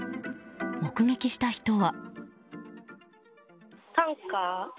目撃した人は。